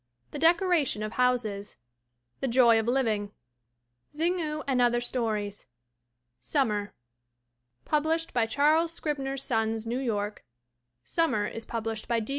The Decoration of Houses. The Joy of Living. io THE WOMEN WHO MAKE OUR NOVELS Xingu and Other Stories. Summer. Published by Charles Scribner's Sons, New York; Summer is published by D.